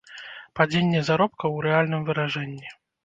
Падзенне заробкаў у рэальным выражэнні.